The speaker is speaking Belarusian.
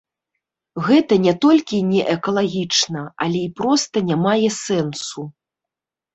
Гэта не толькі неэкалагічна, але і проста не мае сэнсу.